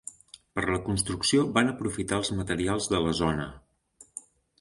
Per la construcció van aprofitar els materials de la zona.